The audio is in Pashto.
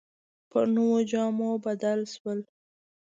په نویو جامو بدل شول.